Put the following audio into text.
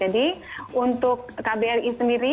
jadi untuk kbri sendiri tahun tahun sebelum ini